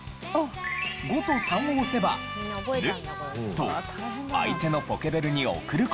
５と３を押せば「ヌ」と相手のポケベルに送る事ができました。